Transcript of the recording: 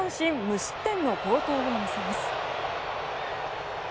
無失点の好投を見せます。